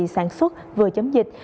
sản xuất vừa chấm dịch